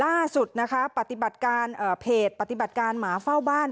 ล่าสุดนะคะปฏิบัติการเพจปฏิบัติการหมาเฝ้าบ้าน